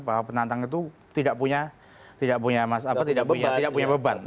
bahwa penantang itu tidak punya beban